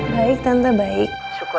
baik tante baik